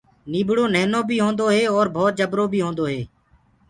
ٻيڙو ننهنو بي هوندو هي اور ڀوت جبرو بي هوندو هي۔